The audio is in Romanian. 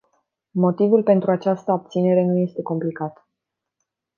Motivul pentru această abținere nu este complicat.